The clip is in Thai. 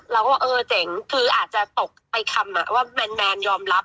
เราก็เออเจ๋งคืออาจจะตกไปคำว่าแมนยอมรับ